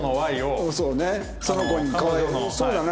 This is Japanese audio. そうだな。